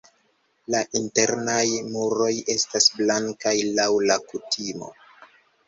La internaj muroj estas blankaj laŭ la kutimo.